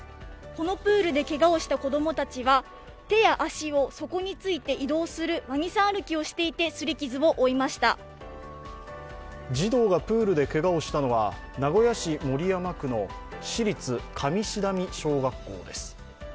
このプールでけがをした子供たちは手や足を底についで移動する動きをしていて児童がプールでけがをしたのは名古屋市守山区の市立上志段味小学校です。